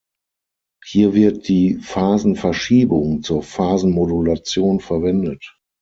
Hier wird die Phasenverschiebung zur Phasenmodulation verwendet.